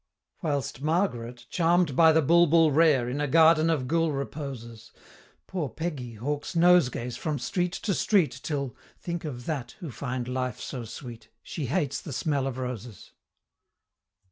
Whilst Margaret, charm'd by the Bulbul rare, In a garden of Gul reposes Poor Peggy hawks nosegays from street to street Till think of that, who find life so sweet! She hates the smell of roses!